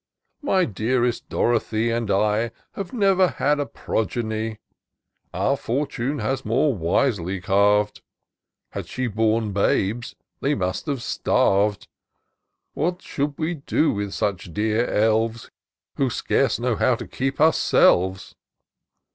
My dearest Dorothy and I Have never had a progeny : Our fortune has more wisely carv'd : Had she borne babes they must have starv'd : What should we do with such dear elves. Who scarce know how to keep ourselves